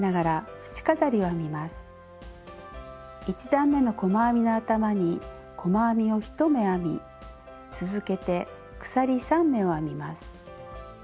１段めの細編みの頭に細編みを１目編み続けて鎖３目を編みます。